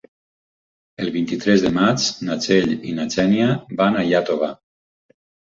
El vint-i-tres de maig na Txell i na Xènia van a Iàtova.